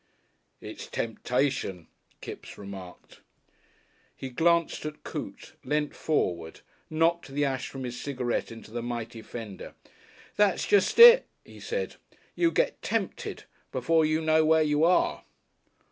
"It's temptation," Kipps remarked. He glanced at Coote, leant forward, knocked the ash from his cigarette into the mighty fender. "That's jest it," he said; "you get tempted. Before you know where you are."